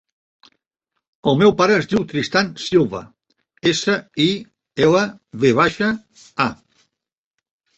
El meu pare es diu Tristan Silva: essa, i, ela, ve baixa, a.